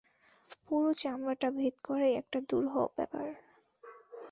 পুরু চামড়াটা ভেদ করাই একটা দুরূহ ব্যাপার।